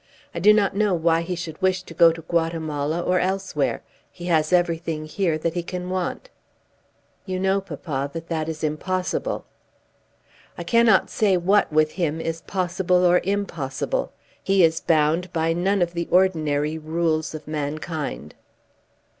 I do not know why he should wish to go to Guatemala or elsewhere. He has everything here that he can want." "You know, papa, that that is impossible." "I cannot say what with him is possible or impossible. He is bound by none of the ordinary rules of mankind."